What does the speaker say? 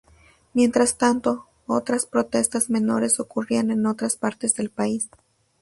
Mientras tanto, otras protestas menores ocurrían en otras partes del país.